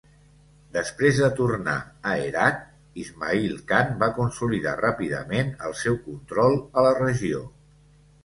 Després de tornar a Herat, Ismail Khan va consolidar ràpidament el seu control a la regió.